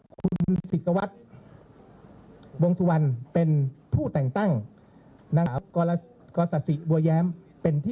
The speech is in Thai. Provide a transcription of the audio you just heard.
อ่าคุณศิษฐวัฒน์วงศุวรรณเป็นผู้แต่งตั้งนางขาวกรสัสสิบัวย้ำเป็นที่